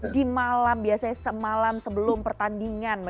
di malam biasanya semalam sebelum pertandingan